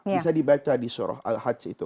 bisa dibaca di surah al hajj itu